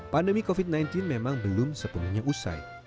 pandemi covid sembilan belas memang belum sepenuhnya usai